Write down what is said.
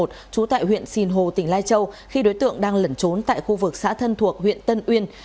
trú tại huyện sìn hồ tỉnh lai châu khi đối tượng đang lẩn trốn tại khu vực xã thân thuộc huyện tân uyên